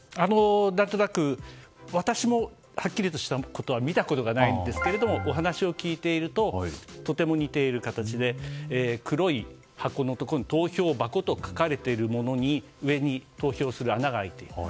何となく私もはっきりとしたことは見たことがないんですけどお話を聞いているととても似ている形で黒い箱のところに投票箱と書かれているものの上に投票する穴が開いていると。